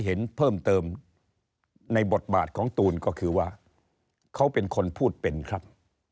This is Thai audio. เห็นเพิ่มเติมในบทบาทของตูนก็คือว่าเขาเป็นคนพูดเป็นครับ